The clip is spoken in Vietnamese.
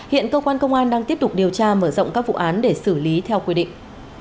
hiện cơ quan công an đang tiếp tục điều tra mở rộng các vụ án để xử lý theo quy định